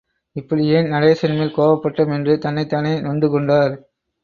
இப்படி ஏன் நடேசன் மேல் கோபப்பட்டோம் என்று தன்னைத் தானே நொந்து கொண்டார்.